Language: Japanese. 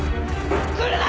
来るな！